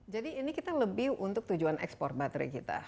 jadi ini kita lebih untuk tujuan ekspor baterai kita